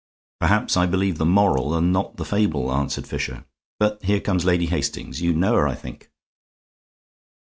"Perhaps I believe the moral and not the fable," answered Fisher. "But here comes Lady Hastings. You know her, I think."